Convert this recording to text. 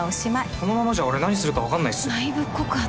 このままじゃ俺何するかわかんないっすよ？内部告発？